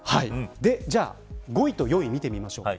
じゃあ、５位と４位みてみましょう。